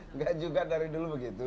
enggak juga dari dulu begitu